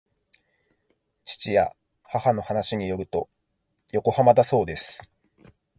父や母の話によると横浜だそうです